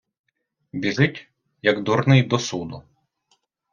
Біжить, як дурний до суду.